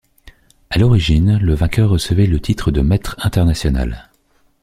À l'origine, le vainqueur recevait le titre de maître international.